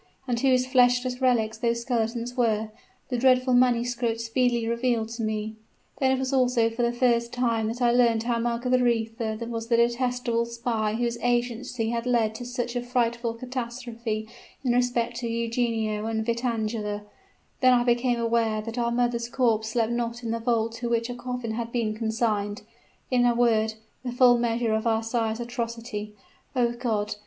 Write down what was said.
And whose fleshless relics those skeletons were, the dreadful manuscript speedily revealed to me. Then was it also for the first time that I learnt how Margaretha was the detestable spy whose agency had led to such a frightful catastrophe in respect to Eugenio and Vitangela; then I became aware that our mother's corpse slept not in the vault to which a coffin had been consigned: in a word, the full measure of our sire's atrocity O God!